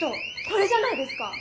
これじゃないですか？